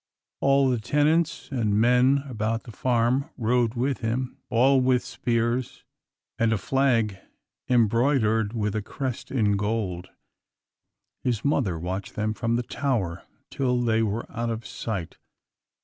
All the tenants and men about the farm rode with him, all with spears and a flag embroidered with a crest in gold. His mother watched them from the tower till they were out of sight.